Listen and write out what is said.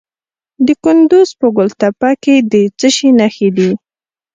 د کندز په ګل تپه کې د څه شي نښې دي؟